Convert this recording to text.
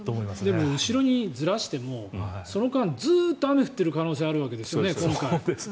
でも後ろにずらしてもその間、ずっと雨降ってる可能性があるわけですよね今回。